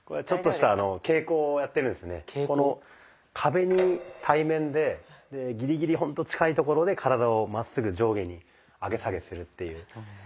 この壁に対面でギリギリほんと近いところで体をまっすぐ上下に上げ下げするっていう動きなんですけども。